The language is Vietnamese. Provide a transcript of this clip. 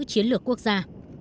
chiến lược quốc gia